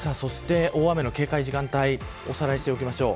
そして大雨の警戒時間帯をおさらいしておきます。